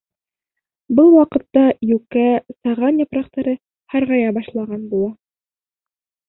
Был ваҡытта йүкә, саған япраҡтары Һарғая башлаған була.